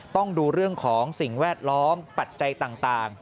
ต้องดูเรื่องของสิ่งแวดล้อมปัจจัยต่าง